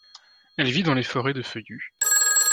Elle vit dans les forêts de feuillus.